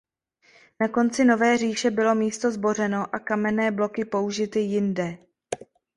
Na konci nové říše bylo místo zbořeno a kamenné bloky použity jinde.